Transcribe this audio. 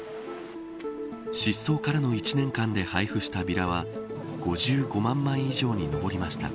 失踪からの１年間で配布したビラは５５万枚以上に上りました。